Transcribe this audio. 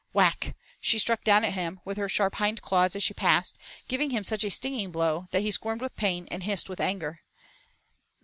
Whack, she struck down at him with her sharp hind claws as she passed, giving him such a stinging blow that he squirmed with pain and hissed with anger.